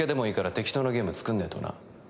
適当なゲーム作んねえとな